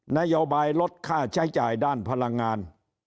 นโยบายลดค่าใช้จ่ายด้านพลังงาน